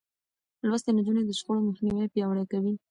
لوستې نجونې د شخړو مخنيوی پياوړی کوي.